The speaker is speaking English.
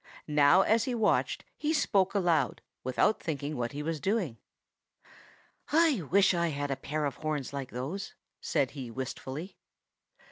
Now as he watched he spoke aloud, without thinking what he was doing. "I wish I had a pair of horns like those," said he wistfully.